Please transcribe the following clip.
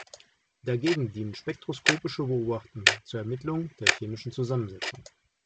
Dagegen dienen spektroskopische Beobachtungen zur Ermittlung der chemischen Zusammensetzung.